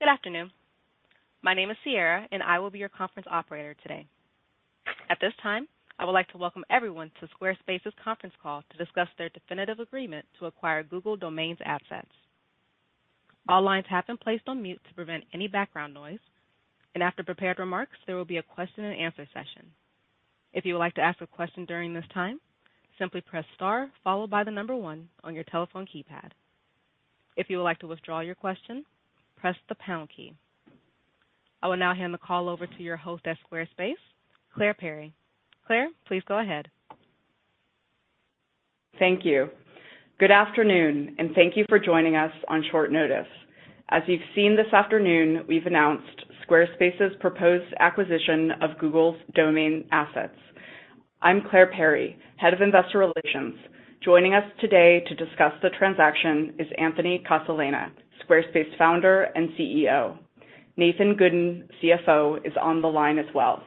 Good afternoon. My name is Sierra, and I will be your conference operator today. At this time, I would like to welcome everyone to Squarespace's conference call to discuss their definitive agreement to acquire Google Domains assets. All lines have been placed on mute to prevent any background noise, and after prepared remarks, there will be a question and answer session. If you would like to ask a question during this time, simply press star followed by the number one on your telephone keypad. If you would like to withdraw your question, press the pound key. I will now hand the call over to your host at Squarespace, Clare Perry. Clare, please go ahead. Thank you. Good afternoon, and thank you for joining us on short notice. As you've seen this afternoon, we've announced Squarespace's proposed acquisition of Google's Domain assets. I'm Clare Perry, Head of Investor Relations. Joining us today to discuss the transaction is Anthony Casalena, Squarespace Founder and CEO. Nathan Gooden, CFO, is on the line as well.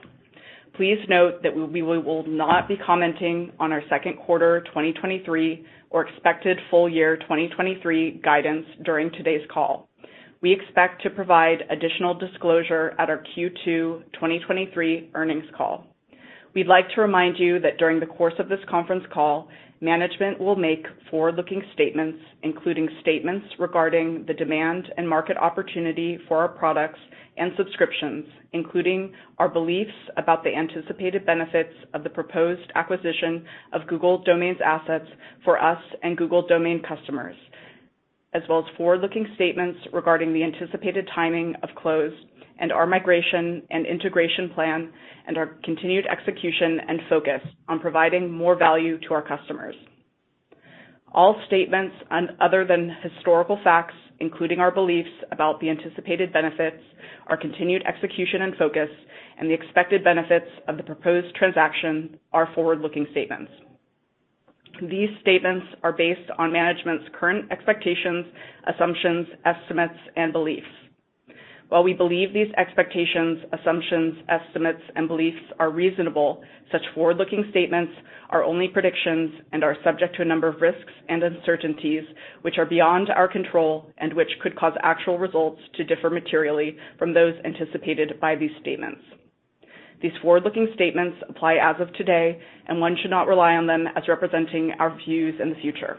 Please note that we will not be commenting on our second quarter 2023 or expected full year 2023 guidance during today's call. We expect to provide additional disclosure at our Q2 2023 earnings call. We'd like to remind you that during the course of this conference call, management will make forward-looking statements, including statements regarding the demand and market opportunity for our products and subscriptions, including our beliefs about the anticipated benefits of the proposed acquisition of Google Domains assets for us and Google Domain customers, as well as forward-looking statements regarding the anticipated timing of close and our migration and integration plan, and our continued execution and focus on providing more value to our customers. All statements other than historical facts, including our beliefs about the anticipated benefits, our continued execution and focus, and the expected benefits of the proposed transaction are forward-looking statements. These statements are based on management's current expectations, assumptions, estimates, and beliefs. While we believe these expectations, assumptions, estimates, and beliefs are reasonable, such forward-looking statements are only predictions and are subject to a number of risks and uncertainties which are beyond our control and which could cause actual results to differ materially from those anticipated by these statements. These forward-looking statements apply as of today, and one should not rely on them as representing our views in the future.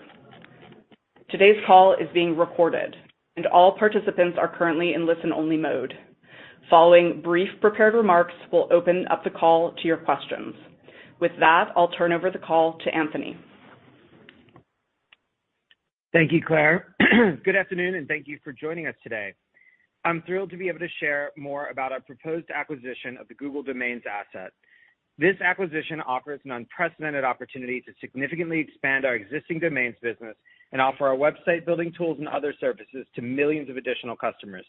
Today's call is being recorded, and all participants are currently in listen-only mode. Following brief prepared remarks, we'll open up the call to your questions. With that, I'll turn over the call to Anthony. Thank you, Clare. Good afternoon, and thank you for joining us today. I'm thrilled to be able to share more about our proposed acquisition of the Google Domains asset. This acquisition offers an unprecedented opportunity to significantly expand our existing domains business and offer our website building tools and other services to millions of additional customers.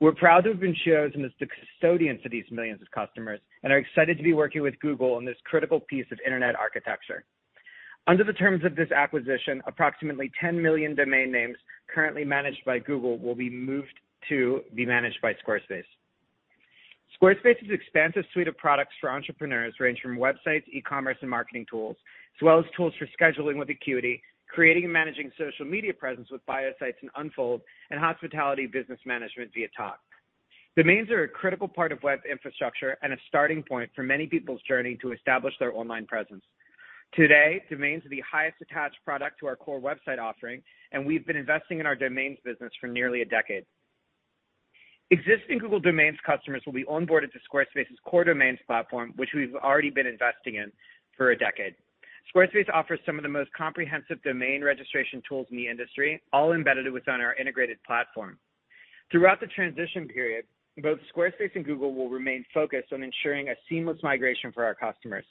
We're proud to have been chosen as the custodian for these millions of customers and are excited to be working with Google on this critical piece of internet architecture. Under the terms of this acquisition, approximately 10 million domain names currently managed by Google will be moved to be managed by Squarespace. Squarespace's expansive suite of products for entrepreneurs range from websites, e-commerce, and marketing tools, as well as tools for scheduling with Acuity, creating and managing social media presence with Bio Sites and Unfold, and hospitality business management via Tock. Domains are a critical part of web infrastructure and a starting point for many people's journey to establish their online presence. Today, domains are the highest attached product to our core website offering, and we've been investing in our domains business for nearly a decade. Existing Google Domains customers will be onboarded to Squarespace's core domains platform, which we've already been investing in for a decade. Squarespace offers some of the most comprehensive domain registration tools in the industry, all embedded within our integrated platform. Throughout the transition period, both Squarespace and Google will remain focused on ensuring a seamless migration for our customers.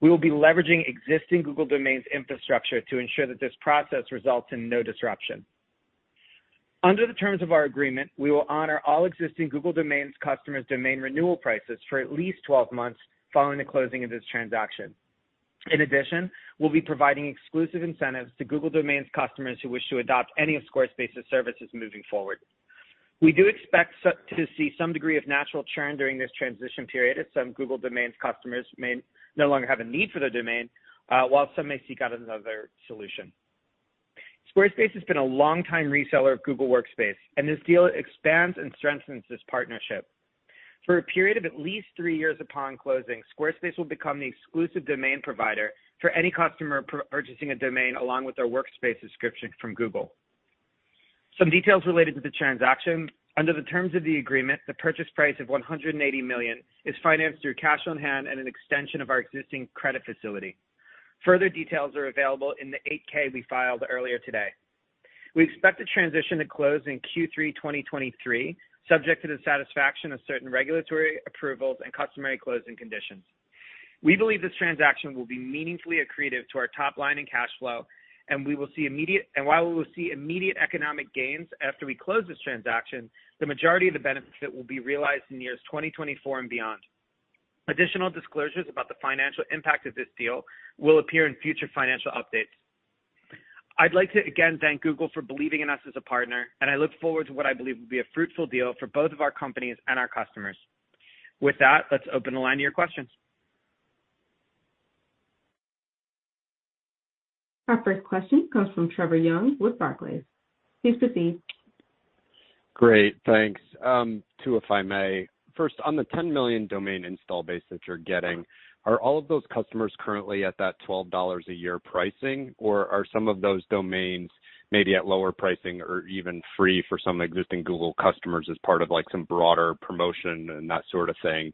We will be leveraging existing Google Domains infrastructure to ensure that this process results in no disruption. Under the terms of our agreement, we will honor all existing Google Domains customers' domain renewal prices for at least 12 months following the closing of this transaction. In addition, we'll be providing exclusive incentives to Google Domains customers who wish to adopt any of Squarespace's services moving forward. We do expect to see some degree of natural churn during this transition period, as some Google Domains customers may no longer have a need for their domain, while some may seek out another solution. Squarespace has been a longtime reseller of Google Workspace. This deal expands and strengthens this partnership. For a period of at least three years upon closing, Squarespace will become the exclusive domain provider for any customer purchasing a domain along with their Workspace subscription from Google. Some details related to the transaction. Under the terms of the agreement, the purchase price of $180 million is financed through cash on hand and an extension of our existing credit facility. Further details are available in the 8-K we filed earlier today. We expect the transition to close in Q3 2023, subject to the satisfaction of certain regulatory approvals and customary closing conditions. We believe this transaction will be meaningfully accretive to our top line and cash flow. While we will see immediate economic gains after we close this transaction, the majority of the benefits will be realized in years 2024 and beyond. Additional disclosures about the financial impact of this deal will appear in future financial updates. I'd like to again thank Google for believing in us as a partner, and I look forward to what I believe will be a fruitful deal for both of our companies and our customers. With that, let's open the line to your questions. Our first question comes from Trevor Young with Barclays. Please proceed. Great, thanks. Two, if I may. First, on the 10 million domain install base that you're getting, are all of those customers currently at that $12 a year pricing, or are some of those domains maybe at lower pricing or even free for some existing Google customers as part of, like, some broader promotion and that sort of thing?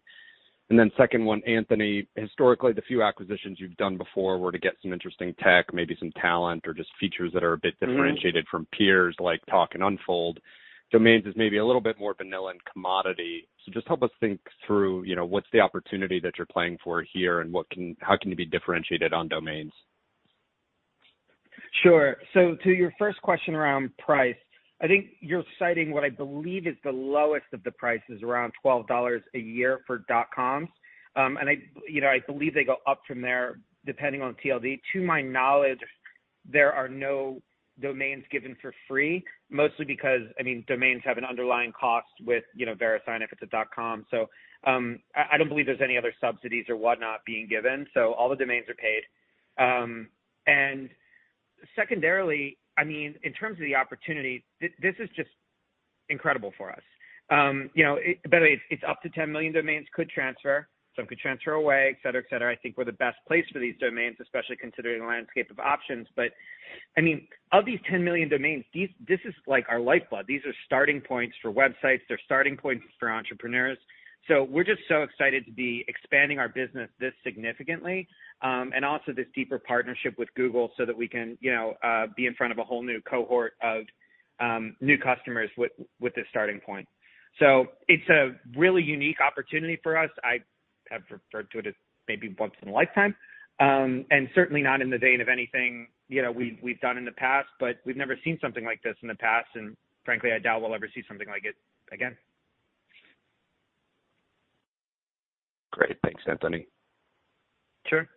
Second one, Anthony, historically, the few acquisitions you've done before were to get some interesting tech, maybe some talent, or just features that are a bit differentiated from peers like Tock and Unfold. Domains is maybe a little bit more vanilla and commodity. Just help us think through, you know, how can you be differentiated on domains? Sure. To your first question around price, I think you're citing what I believe is the lowest of the prices, around $12 a year for dot coms. You know, I believe they go up from there, depending on TLD. To my knowledge, there are no domains given for free, mostly because, I mean, domains have an underlying cost with, you know, Verisign if it's a dot com. I don't believe there's any other subsidies or whatnot being given, so all the domains are paid. Secondarily, I mean, in terms of the opportunity, this is just incredible for us. You know, by the way, it's up to 10 million domains could transfer, some could transfer away, et cetera, et cetera. I think we're the best place for these domains, especially considering the landscape of options. I mean, of these 10 million domains, this is like our lifeblood. These are starting points for websites. They're starting points for entrepreneurs. We're just so excited to be expanding our business this significantly, and also this deeper partnership with Google so that we can, you know, be in front of a whole new cohort of new customers with this starting point. It's a really unique opportunity for us. I have referred to it as maybe once in a lifetime, and certainly not in the vein of anything, you know, we've done in the past, but we've never seen something like this in the past. Frankly, I doubt we'll ever see something like it again. Great. Thanks, Anthony. Sure.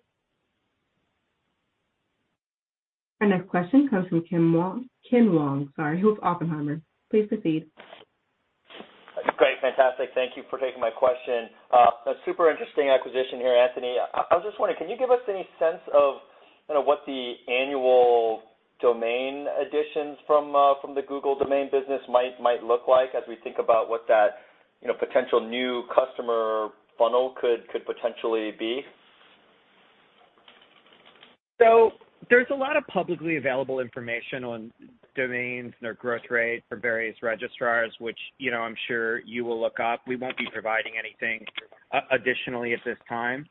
Our next question comes from Ken Wong, sorry, with Oppenheimer. Please proceed. Great, fantastic. Thank you for taking my question. A super interesting acquisition here, Anthony. I was just wondering, can you give us any sense of, you know, what the annual domain additions from the Google domain business might look like as we think about what that, you know, potential new customer funnel could potentially be? There's a lot of publicly available information on domains and their growth rate for various registrars, which, you know, I'm sure you will look up. We won't be providing anything additionally at this time.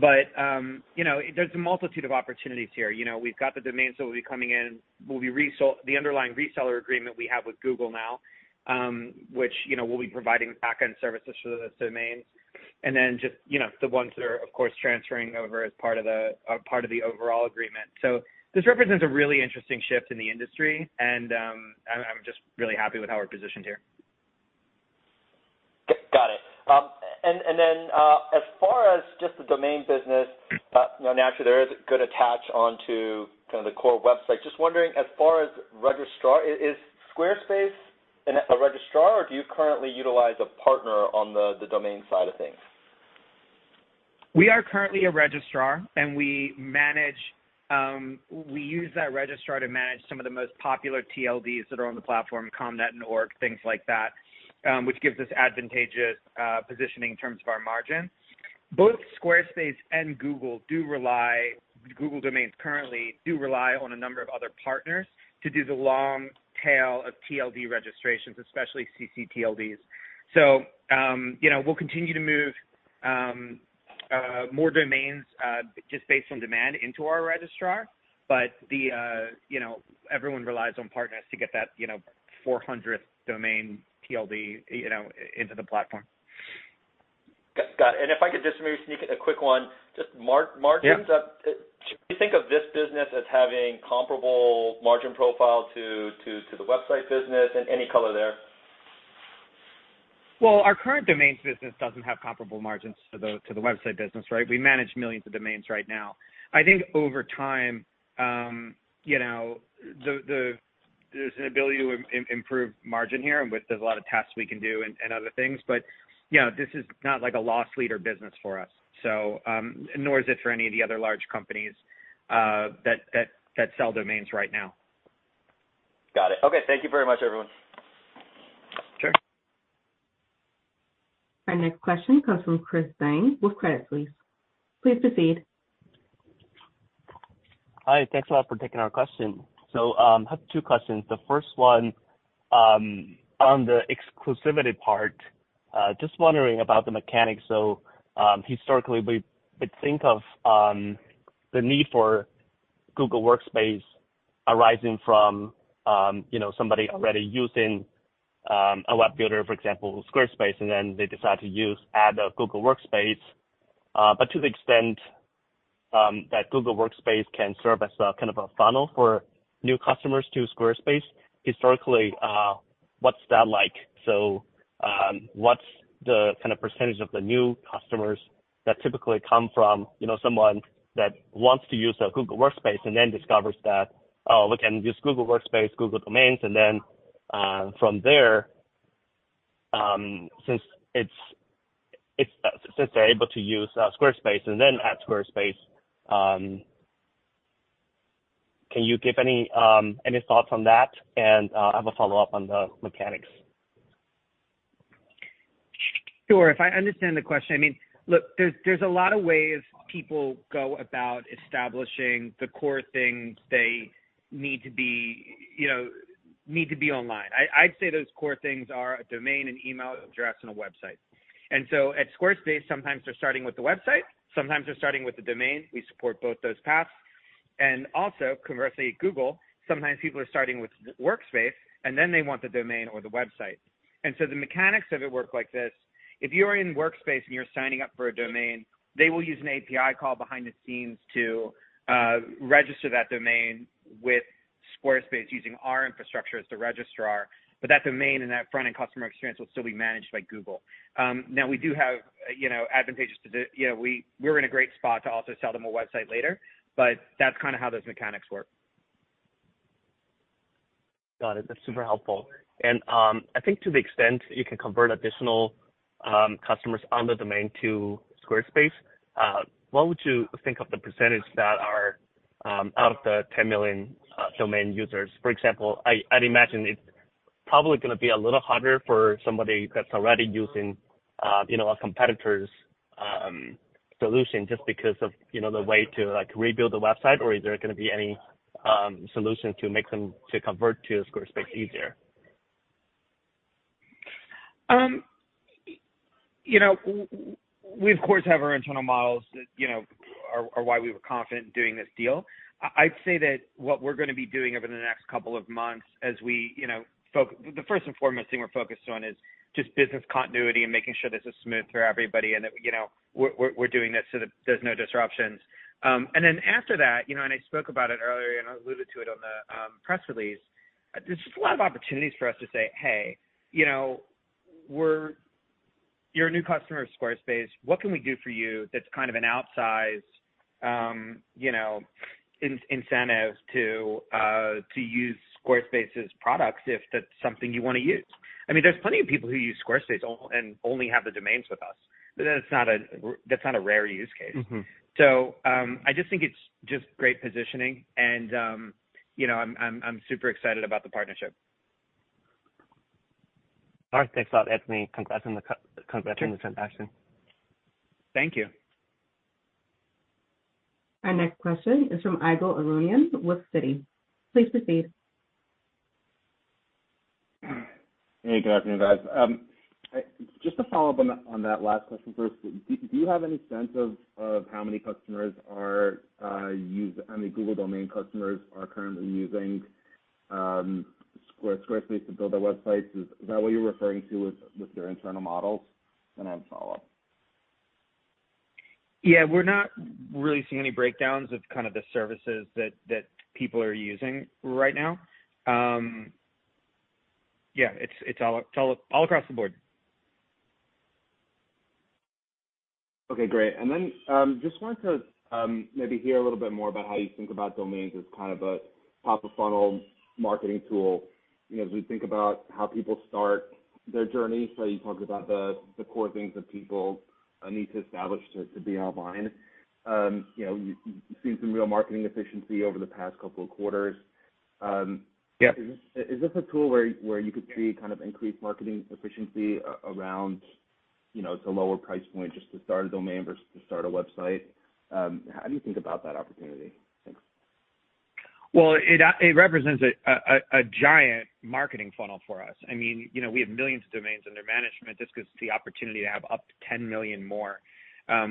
You know, there's a multitude of opportunities here. You know, we've got the domains that will be coming in, will be resold, the underlying reseller agreement we have with Google now, which, you know, we'll be providing backend services for the domains, and then just, you know, the ones that are, of course, transferring over as part of the overall agreement. This represents a really interesting shift in the industry, and I'm just really happy with how we're positioned here. Got it. As far as just the domain business, you know, naturally, there is a good attach onto kind of the core website. Just wondering, as far as registrar, is Squarespace a registrar, or do you currently utilize a partner on the domain side of things? We are currently a registrar, and we manage, we use that registrar to manage some of the most popular TLDs that are on the platform, .com, .net, and .org, things like that, which gives us advantageous positioning in terms of our margins. Both Squarespace and Google do rely, Google Domains currently do rely on a number of other partners to do the long tail of TLD registrations, especially ccTLDs. We'll continue to move, you know, more domains, just based on demand into our registrar. The, you know, everyone relies on partners to get that, you know, 400th domain TLD, you know, into the platform. Got it. If I could just maybe sneak in a quick one. Just margins- Yeah. Should we think of this business as having comparable margin profile to the website business? Any color there? Our current domains business doesn't have comparable margins to the website business, right? We manage millions of domains right now. I think over time, you know, there's an ability to improve margin here, and with a lot of tests we can do and other things. You know, this is not like a loss leader business for us. Nor is it for any of the other large companies that sell domains right now. Got it. Okay. Thank you very much, everyone. Sure. Our next question comes from Chris Zhang with Credit Suisse. Please proceed. Hi, thanks a lot for taking our question. I have two questions. The first one, on the exclusivity part, just wondering about the mechanics. Historically, we would think of the need for Google Workspace arising from, you know, somebody already using a web builder, for example, Squarespace, and then they decide to use, add a Google Workspace. But to the extent that Google Workspace can serve as a kind of a funnel for new customers to Squarespace, historically, what's that like? What's the kind of percentage of the new customers that typically come from, you know, someone that wants to use a Google Workspace and then discovers that, "Oh, we can use Google Workspace, Google Domains," and then from there, since it's, since they're able to use, Squarespace and then add Squarespace, can you give any thoughts on that? I have a follow-up on the mechanics. Sure. If I understand the question, I mean, look, there's a lot of ways people go about establishing the core things they need to be, you know, need to be online. I'd say those core things are a domain, an email address, and a website. At Squarespace, sometimes they're starting with the website, sometimes they're starting with the domain. We support both those paths. Conversely, Google, sometimes people are starting with Workspace, and then they want the domain or the website. The mechanics of it work like this: if you're in Workspace and you're signing up for a domain, they will use an API call behind the scenes to register that domain with Squarespace using our infrastructure as the registrar, but that domain and that front-end customer experience will still be managed by Google. Now, we do have, you know, advantageous you know, we're in a great spot to also sell them a website later, but that's kind of how those mechanics work. Got it. That's super helpful. I think to the extent you can convert additional customers on the domain to Squarespace, what would you think of the percentage that are out of the 10 million domain users? For example, I'd imagine it's probably gonna be a little harder for somebody that's already using, you know, a competitor's solution just because of, you know, the way to, like, rebuild the website. Or is there gonna be any solution to make them to convert to Squarespace easier? You know, we, of course, have our internal models that, you know, are why we were confident in doing this deal. I'd say that what we're gonna be doing over the next couple of months as we, you know, The first and foremost thing we're focused on is just business continuity and making sure this is smooth for everybody, and that, you know, we're doing this so that there's no disruptions. Then after that, you know, and I spoke about it earlier, and I alluded to it on the press release, there's just a lot of opportunities for us to say, "Hey, you know, You're a new customer of Squarespace. What can we do for you that's kind of an outsized, you know, incentive to use Squarespace's products if that's something you want to use? I mean, there's plenty of people who use Squarespace and only have the domains with us. It's not a rare use case. I just think it's just great positioning, and, you know, I'm super excited about the partnership. All right. Thanks a lot, Anthony, congrats on the transaction. Thank you. Our next question is from Ygal Arounian with Citi. Please proceed. Hey, good afternoon, guys. Just to follow up on that last question first, do you have any sense of how many Google Domains customers are currently using Squarespace to build their websites? Is that what you're referring to with your internal models? I have a follow-up. Yeah. We're not really seeing any breakdowns of kind of the services that people are using right now. It's all across the board. Okay, great. Then, just wanted to, maybe hear a little bit more about how you think about domains as kind of a top-of-funnel marketing tool. You know, as we think about how people start their journey, you talked about the core things that people need to establish to be online. You know, you've seen some real marketing efficiency over the past couple of quarters. Yeah. Is this a tool where you could see kind of increased marketing efficiency around? You know, it's a lower price point just to start a domain versus to start a website. How do you think about that opportunity? Thanks. Well, it represents a giant marketing funnel for us. I mean, you know, we have millions of domains under management. This gives the opportunity to have up to 10 million more,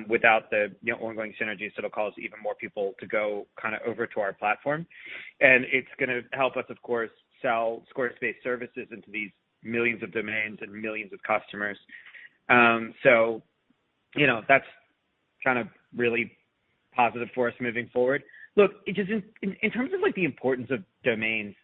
without the, you know, ongoing synergies. It'll cause even more people to go kind of over to our platform. It's gonna help us, of course, sell Squarespace services into these millions of domains and millions of customers. You know, that's kind of really positive for us moving forward. Look, it just, in terms of, like, the importance of domains,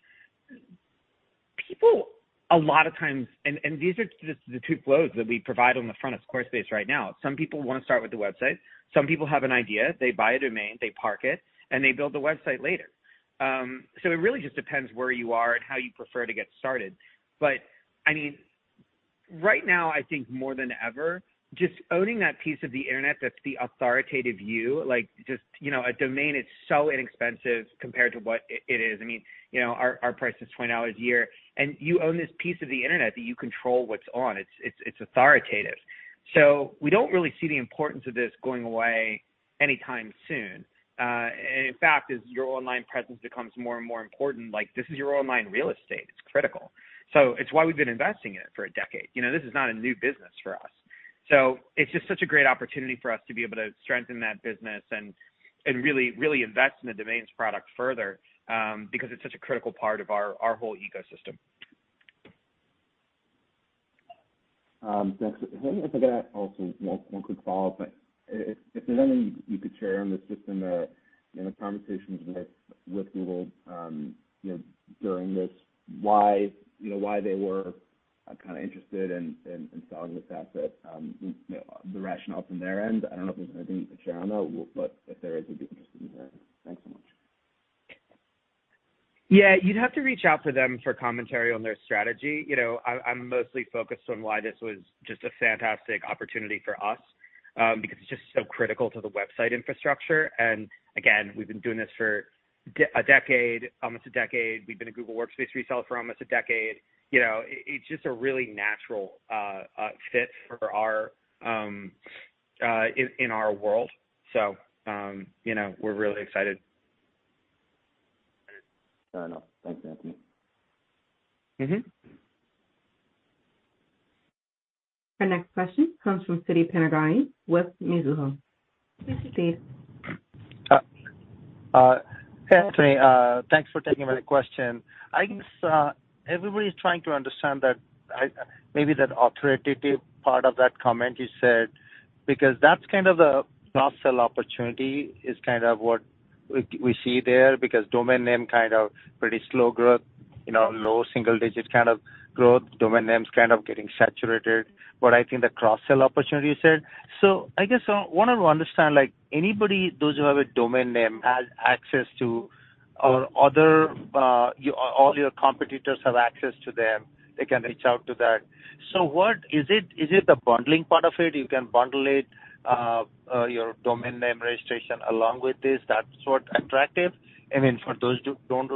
people, a lot of times... these are just the two flows that we provide on the front of Squarespace right now. Some people want to start with the website. Some people have an idea, they buy a domain, they park it, and they build the website later. It really just depends where you are and how you prefer to get started. But, I mean, right now, I think more than ever, just owning that piece of the internet, that's the authoritative you, like, just, you know, a domain is so inexpensive compared to what it is. I mean, you know, our price is $20 a year, and you own this piece of the internet that you control what's on. It's authoritative. We don't really see the importance of this going away anytime soon. In fact, as your online presence becomes more and more important, like, this is your online real estate. It's critical. It's why we've been investing in it for a decade. You know, this is not a new business for us. It's just such a great opportunity for us to be able to strengthen that business and really, really invest in the domains product further, because it's such a critical part of our whole ecosystem. Thanks. Let me add to that also one quick follow-up. If there's anything you could share on the system or, you know, conversations with Google, you know, during this, why, you know, why they were kind of interested in selling this asset, you know, the rationale from their end? I don't know if there's anything you can share on that, but if there is, I'd be interested in hearing. Thanks so much. Yeah, you'd have to reach out to them for commentary on their strategy. You know, I'm mostly focused on why this was just a fantastic opportunity for us, because it's just so critical to the website infrastructure. Again, we've been doing this for a decade, almost a decade. We've been a Google Workspace reseller for almost a decade. You know, it's just a really natural fit for our in our world. You know, we're really excited. Fair enough. Thanks, Anthony. Our next question comes from Siti Panigrahi with Mizuho. Please proceed. Hey, Anthony, thanks for taking my question. I guess everybody's trying to understand that, maybe that authoritative part of that comment you said, because that's kind of the cross-sell opportunity, is kind of what we see there, because domain name kind of pretty slow growth, you know, low single-digit kind of growth, domain names kind of getting saturated. I think the cross-sell opportunity you said. I guess I want to understand, like, anybody, those who have a domain name, has access to, or all your competitors have access to them, they can reach out to that. Is it the bundling part of it? You can bundle it, your domain name registration along with this, that's what attractive, I mean, for those who don't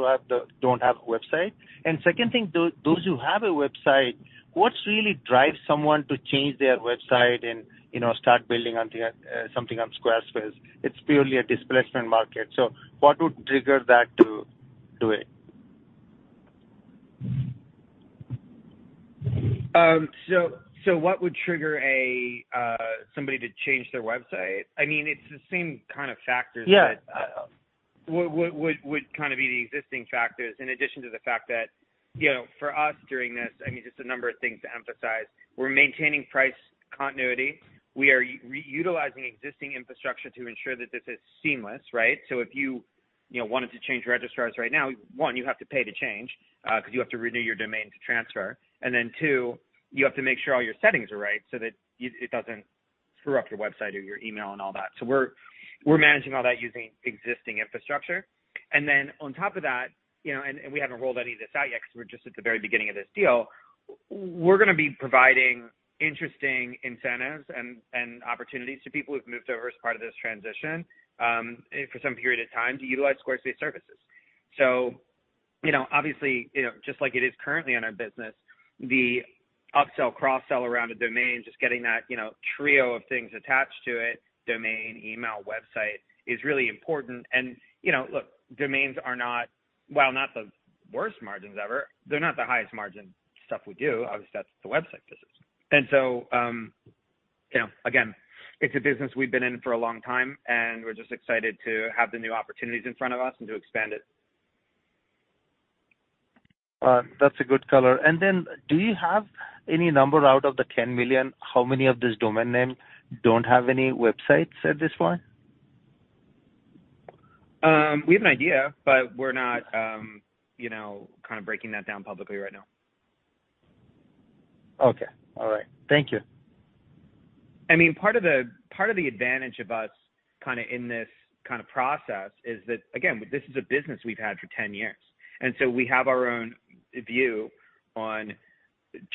have a website. Second thing, those who have a website, what really drives someone to change their website and, you know, start building on something on Squarespace? It's purely a displacement market, so what would trigger that to do it? What would trigger a... somebody to change their website? I mean, it's the same kind of factors that. Yeah. Would kind of be the existing factors, in addition to the fact that, you know, for us, during this, I mean, just a number of things to emphasize. We're maintaining price continuity. We are re-utilizing existing infrastructure to ensure that this is seamless, right? If you know, wanted to change registrars right now, one, you have to pay to change because you have to renew your domain to transfer, and then two, you have to make sure all your settings are right so that it doesn't screw up your website or your email and all that. We're managing all that using existing infrastructure. On top of that, you know, and we haven't rolled any of this out yet, because we're just at the very beginning of this deal. We're gonna be providing interesting incentives and opportunities to people who've moved over as part of this transition, for some period of time, to utilize Squarespace services. You know, obviously, you know, just like it is currently in our business, the upsell, cross-sell around a domain, just getting that, you know, trio of things attached to it, domain, email, website is really important. You know, look, domains are not... well, not the worst margins ever, they're not the highest margin stuff we do. Obviously, that's the website business. You know, again, it's a business we've been in for a long time, and we're just excited to have the new opportunities in front of us and to expand it. That's a good color. Do you have any number out of the 10 million, how many of these domain name don't have any websites at this point? We have an idea, but we're not, you know, kind of breaking that down publicly right now. Okay. All right. Thank you. I mean, part of the advantage of us kind of in this kind of process is that, again, this is a business we've had for 10 years. We have our own view on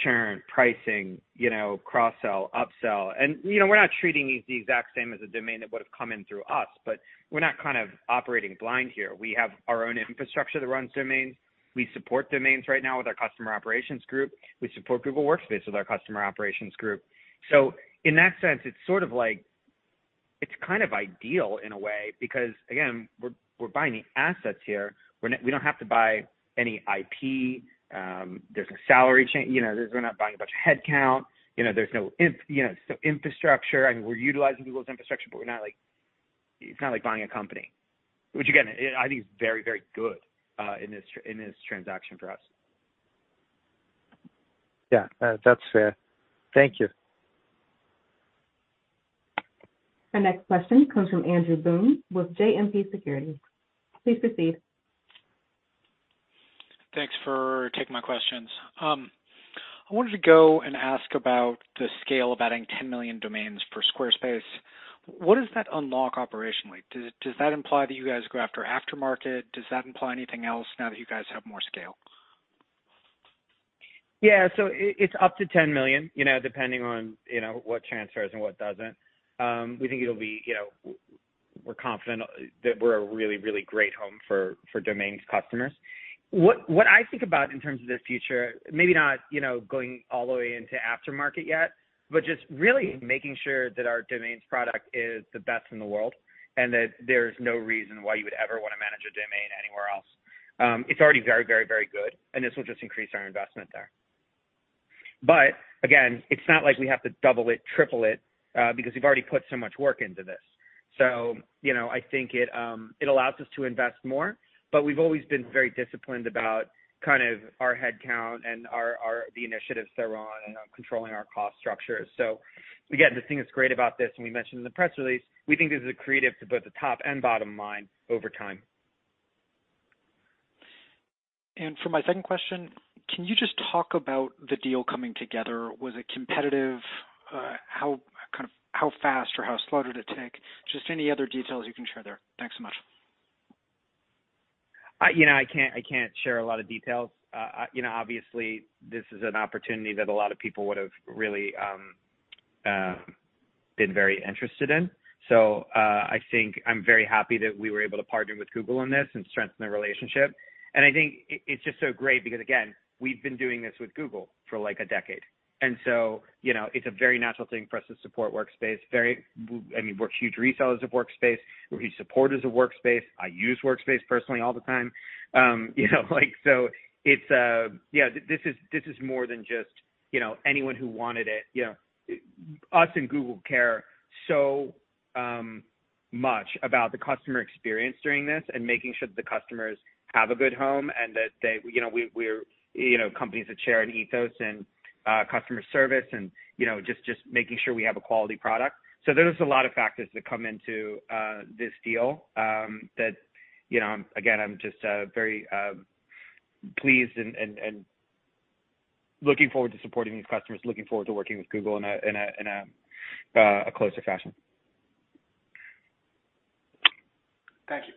churn, pricing, you know, cross-sell, upsell. You know, we're not treating it the exact same as a domain that would have come in through us, but we're not kind of operating blind here. We have our own infrastructure that runs domains. We support domains right now with our customer operations group. We support Google Workspace with our customer operations group. In that sense, it's sort of like, it's kind of ideal in a way, because again, we're buying assets here. We don't have to buy any IP, there's no salary change, you know, we're not buying a bunch of headcount. You know, there's no you know, so infrastructure, I mean, we're utilizing Google's infrastructure, but we're not like... it's not like buying a company, which again, I think is very, very good, in this, in this transaction for us. Yeah, that's fair. Thank you. Our next question comes from Andrew Boone, with JMP Securities. Please proceed. Thanks for taking my questions. I wanted to go and ask about the scale of adding 10 million domains for Squarespace. What does that unlock operationally? Does that imply that you guys go after aftermarket? Does that imply anything else now that you guys have more scale? It's up to $10 million, you know, depending on, you know, what transfers and what doesn't. We think it'll be, you know... We're confident that we're a really, really great home for domains customers. What I think about in terms of the future, maybe not, you know, going all the way into aftermarket yet, but just really making sure that our domains product is the best in the world, and that there's no reason why you would ever want to manage a domain anywhere else. It's already very, very, very good, and this will just increase our investment there. Again, it's not like we have to double it, triple it, because we've already put so much work into this. You know, I think it allows us to invest more, but we've always been very disciplined about kind of our headcount and our, the initiatives that are on, and controlling our cost structure. Again, the thing that's great about this, and we mentioned in the press release, we think this is accretive to both the top and bottom line over time. For my second question. Can you just talk about the deal coming together? Was it competitive? How, kind of, how fast or how slow did it take? Just any other details you can share there. Thanks so much. You know, I can't share a lot of details. You know, obviously, this is an opportunity that a lot of people would have really been very interested in. I think I'm very happy that we were able to partner with Google on this and strengthen the relationship. I think it's just so great because, again, we've been doing this with Google for, like, a decade. You know, it's a very natural thing for us to support Workspace. I mean, we're huge resellers of Workspace. We're huge supporters of Workspace. I use Workspace personally all the time. You know, like, so it's. Yeah, this is more than just, you know, anyone who wanted it. You know, us and Google care so much about the customer experience during this and making sure that the customers have a good home and that. You know, we're, you know, companies that share an ethos and customer service and, you know, just making sure we have a quality product. There's a lot of factors that come into this deal that, you know, again, I'm just very pleased and looking forward to supporting these customers, looking forward to working with Google in a closer fashion. Thank you.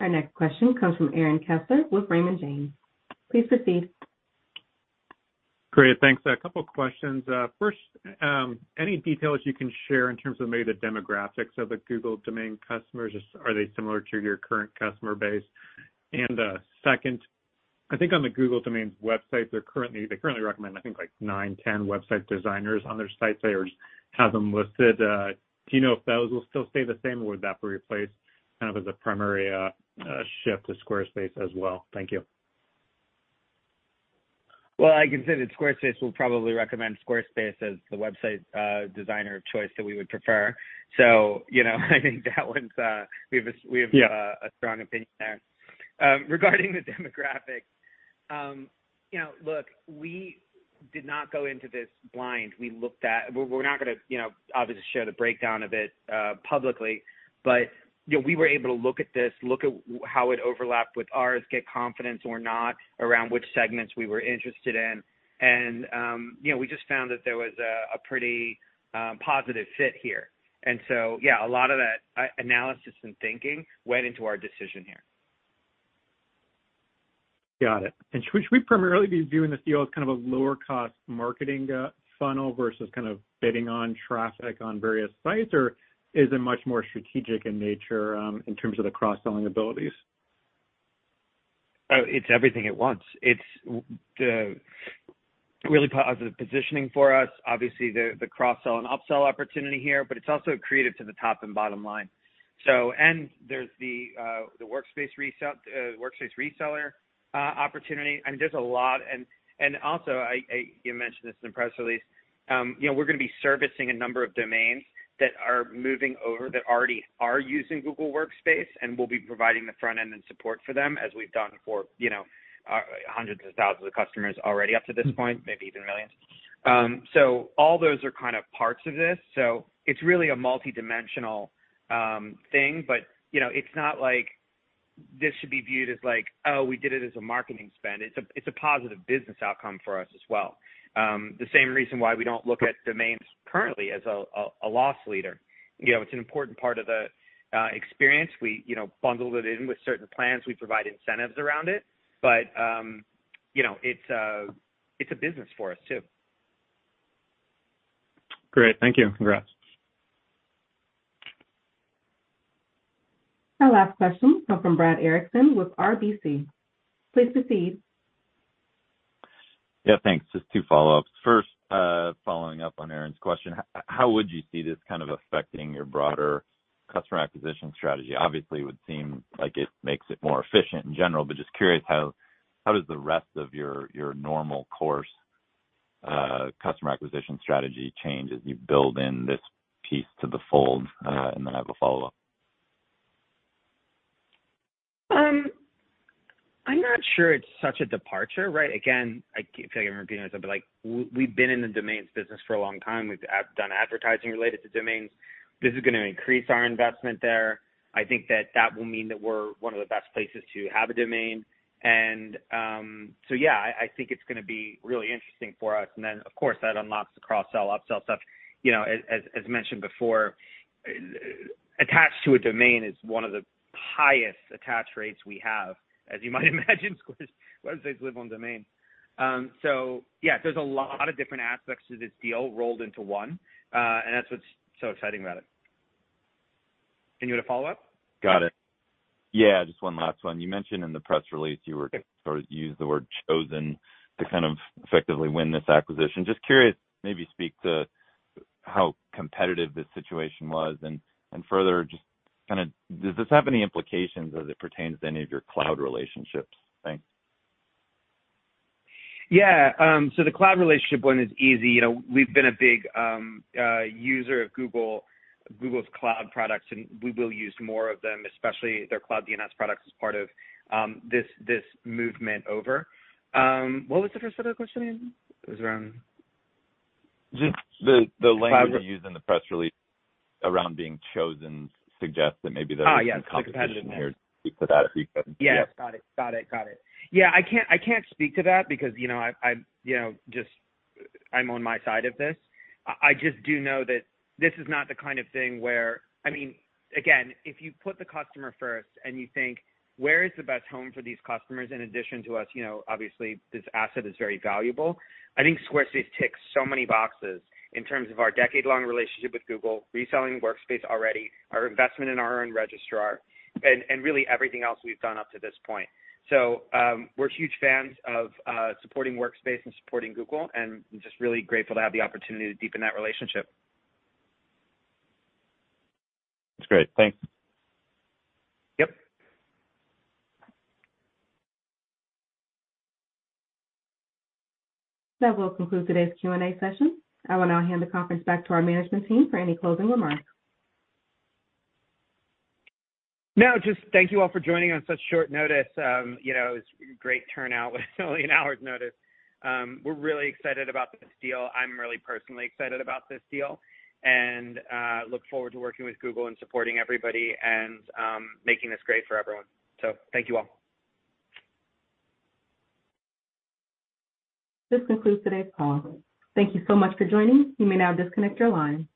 Our next question comes from Aaron Kessler with Raymond James. Please proceed. Great. Thanks. A couple questions. First, any details you can share in terms of maybe the demographics of the Google Domains customers? Just are they similar to your current customer base? Second, I think on the Google Domains website, they currently recommend, I think, like nine, 10 website designers on their site. They just have them listed. Do you know if those will still stay the same, or would that be replaced, kind of, as a primary shift to Squarespace as well? Thank you. I can say that Squarespace will probably recommend Squarespace as the website, designer of choice that we would prefer. You know, I think that one's... Yeah We have a strong opinion there. Regarding the demographics, you know, look, we did not go into this blind. We looked at. We're not gonna, you know, obviously share the breakdown of it, publicly, but, you know, we were able to look at this, look at how it overlapped with ours, get confidence or not around which segments we were interested in. You know, we just found that there was a pretty positive fit here. Yeah, a lot of that analysis and thinking went into our decision here. Got it. Should we primarily be viewing this deal as kind of a lower-cost marketing funnel versus kind of bidding on traffic on various sites, or is it much more strategic in nature in terms of the cross-selling abilities? It's everything at once. It's the really positive positioning for us, obviously the cross-sell and upsell opportunity here, but it's also accretive to the top and bottom line, so. There's the Workspace reseller opportunity. I mean, there's a lot. Also, you mentioned this in the press release, you know, we're gonna be servicing a number of domains that are moving over that already are using Google Workspace, and we'll be providing the front end and support for them, as we've done for, you know, hundreds of thousands of customers already up to this point, maybe even millions. All those are kind of parts of this. It's really a multidimensional thing, but, you know, it's not like this should be viewed as like, "Oh, we did it as a marketing spend." It's a positive business outcome for us as well. The same reason why we don't look at domains currently as a loss leader. You know, it's an important part of the experience. We, you know, bundle it in with certain plans. We provide incentives around it. You know, it's a business for us, too. Great. Thank you. Congrats. Our last question come from Brad Erickson with RBC. Please proceed. Yeah, thanks. Just two follow-ups. First, following up on Aaron's question, how would you see this kind of affecting your broader customer acquisition strategy? Obviously, it would seem like it makes it more efficient in general, but just curious, how does the rest of your normal course, customer acquisition strategy change as you build in this piece to the fold? Then I have a follow-up. I'm not sure it's such a departure, right? Again, I feel like I'm repeating myself, but, like, we've been in the domains business for a long time. We've done advertising related to domains. This is gonna increase our investment there. I think that that will mean that we're one of the best places to have a domain. Yeah, I think it's gonna be really interesting for us. Of course, that unlocks the cross-sell, upsell stuff. You know, as mentioned before, attached to a domain is one of the highest attach rates we have, as you might imagine, because websites live on domain. Yeah, there's a lot of different aspects to this deal rolled into one, and that's what's so exciting about it. You had a follow-up? Got it. Yeah, just one last one. You mentioned in the press release you sort of used the word chosen to kind of effectively win this acquisition. Just curious, maybe speak to how competitive this situation was, and further, just kind of does this have any implications as it pertains to any of your cloud relationships? Thanks. Yeah. The cloud relationship one is easy. You know, we've been a big user of Google's cloud products, and we will use more of them, especially their Cloud DNS products, as part of this movement over. What was the first other question again? It was around-- Just the language you used in the press release around being chosen suggests that maybe there was- Oh, yeah. -some competition here. Competitive. Speak to that, if you can. Yeah. Yeah. Got it. Got it. Yeah, I can't speak to that because, you know, I'm, you know, I'm on my side of this. I just do know that this is not the kind of thing where... I mean, again, if you put the customer first and you think, "Where is the best home for these customers?" In addition to us, you know, obviously, this asset is very valuable. I think Squarespace ticks so many boxes in terms of our decade-long relationship with Google, reselling Workspace already, our investment in our own registrar, and really everything else we've done up to this point. We're huge fans of supporting Workspace and supporting Google, and we're just really grateful to have the opportunity to deepen that relationship. That's great. Thank you. Yep. That will conclude today's Q&A session. I will now hand the conference back to our management team for any closing remarks. Just thank you all for joining on such short notice. You know, it's great turnout with only an hour's notice. We're really excited about this deal. I'm really personally excited about this deal, and look forward to working with Google and supporting everybody and making this great for everyone. Thank you all. This concludes today's call. Thank you so much for joining. You may now disconnect your line.